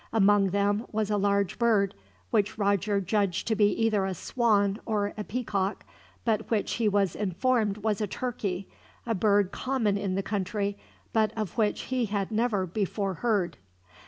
Among them was a large bird, which Roger judged to be either a swan or a peacock; but which he was informed was a turkey, a bird common in the country, but of which he had never before heard.